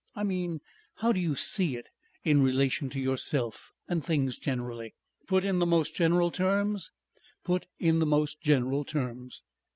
I mean, how do you see it in relation to yourself and things generally?" "Put in the most general terms?" "Put in the most general terms."